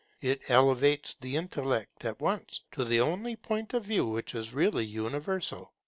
It elevates the intellect at once to the only point of view which is really universal.